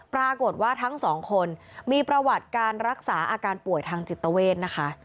ปรากฏว่าทั้งสองคนมีประวัติการรักษาอาการป่วยทางจิตเวทนะคะ